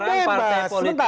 tapi sekarang partai politik